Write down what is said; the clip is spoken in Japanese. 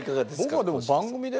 僕はでも番組で。